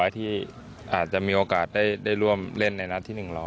ที่อาจจะมีโอกาสได้ร่วมเล่นในนัดที่๑๐๐